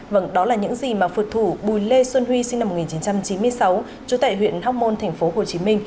vâng đó là những gì mà phượt thủ bùi lê xuân huy sinh năm một nghìn chín trăm chín mươi sáu trú tại huyện hóc môn tp hcm